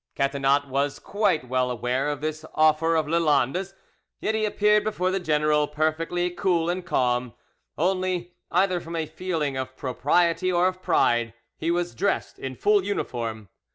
Catinat was quite well aware of this offer of Lalande's, yet he appeared before the general perfectly cool and calm; only, either from a feeling of propriety or of pride, he was dressed in full uniform.